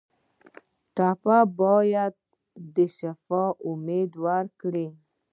ټپي ته باید د شفا امید ورکړو.